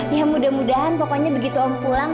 ya mudah mudahan pokoknya begitu om pulang